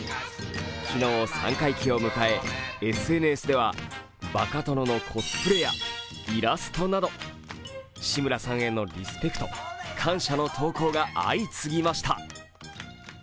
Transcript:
昨日、三回忌を迎えＳＮＳではバカ殿のコスプレやイラストなど志村さんへのリスペクト、感謝の投稿が相次ぎました。